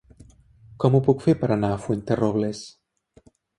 Com ho puc fer per anar a Fuenterrobles?